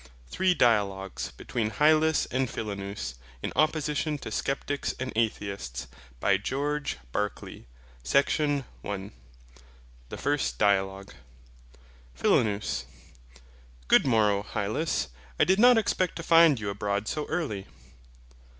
THREE DIALOGUES BETWEEN HYLAS AND PHILONOUS, IN OPPOSITION TO SCEPTICS AND ATHEISTS by George Berkeley (1685 1753) THE FIRST DIALOGUE PHILONOUS. Good morrow, Hylas: I did not expect to find you abroad so early.